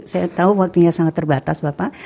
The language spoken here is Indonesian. saya tahu waktunya sangat terbatas bapak